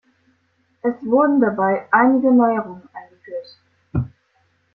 Es wurden dabei einige Neuerungen eingeführt.